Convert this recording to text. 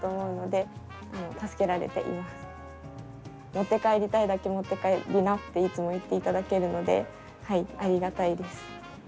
持って帰りたいだけ持って帰りなっていつも言っていただけるのでありがたいです。